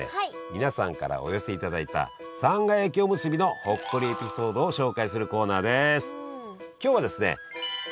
皆さんからお寄せいただいたさんが焼きおむすびのほっこりエピソードを紹介するコーナーです！